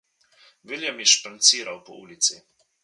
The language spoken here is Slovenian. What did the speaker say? William je španciral po ulici.